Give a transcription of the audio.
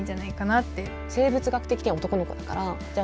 生物学的には男の子だからじゃあ